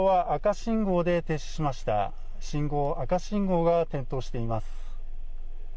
信号、赤信号が点灯しています。